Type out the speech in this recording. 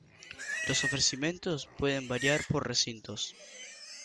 Los ofrecimientos pueden variar por Recintos.